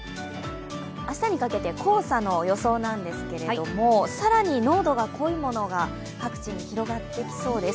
明日にかけて黄砂の予想なんですけれども、更に濃度が濃いものが各地に広がってきそうです。